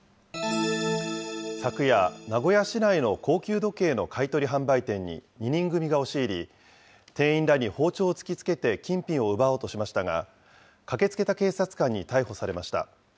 昨夜、名古屋市内の高級時計の買い取り販売店に２人組が押し入り、店員らに包丁を突きつけて金品を奪おうとしましたが、駆けつけた警察官に逮捕されました。